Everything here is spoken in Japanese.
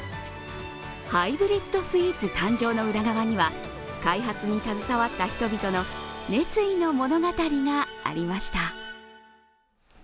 ハイブリッドスイーツ誕生の裏側には開発に携わった人々の熱意の物語がありました。